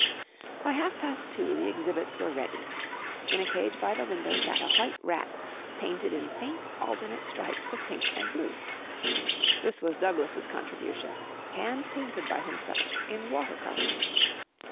By half past two the exhibits were ready. In a cage by the window sat a white rat painted in faint alternate stripes of blue and pink. This was Douglas' contribution, handpainted by himself in water colours.